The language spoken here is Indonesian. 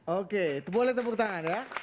oke boleh tepuk tangan ya